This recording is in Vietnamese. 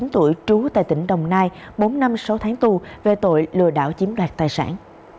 bốn mươi tuổi trú tại tỉnh đồng nai bốn năm sáu tháng tù về tội lừa đảo chiếm đoạt tài sản